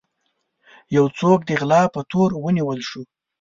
يو څوک د غلا په تور ونيول شو.